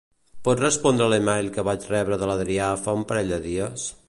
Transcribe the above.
Pots respondre l'e-mail que vaig rebre de l'Adrià fa un parell de dies?